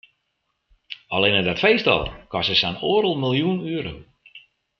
Allinne dat feest al koste sa'n oardel miljoen euro.